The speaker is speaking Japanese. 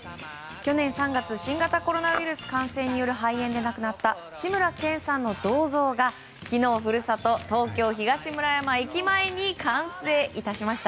去年３月新型コロナウイルス感染による肺炎で亡くなった志村けんさんの銅像が昨日、故郷の東京・東村山駅前に完成致しました。